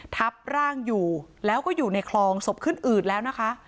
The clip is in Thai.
ทับร่างอยู่แล้วก็อยู่ในคลองศพขึ้นอืดแล้วนะคะ